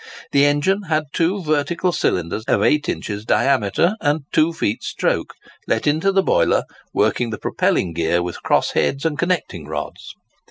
The engine had two vertical cylinders of 8 inches diameter, and 2 feet stroke, let into the boiler, working the propelling gear with cross heads and connecting rods.